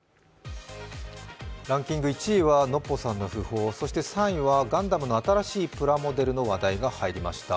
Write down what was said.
ランキング１位はノッポさんの訃報、３位はガンダムの新しいプラモデルの話題が入りました。